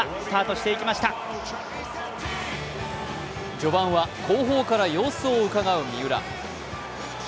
序盤は後方から様子をうかがう三浦。